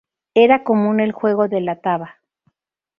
Era común el juego de la taba.